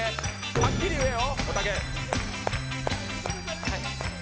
はっきり言えよ。